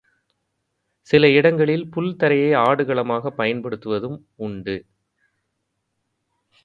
சில இடங்களில் புல் தரையை ஆடுகளமாகப் பயன்படுத்துவதும் உண்டு.